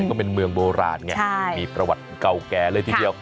ก็เป็นเมืองโบราณไงมีประวัติเก่าแก่เลยทีเดียว